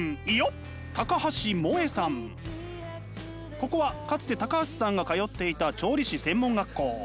ここはかつて橋さんが通っていた調理師専門学校。